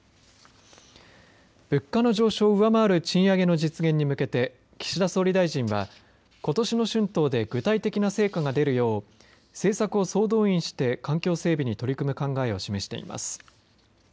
物価の上昇を上回る賃上げの実現に向けて岸田総理大臣はことしの春闘で具体的な成果が出るよう政策を総動員して環境整備に取り組む考えを示しています。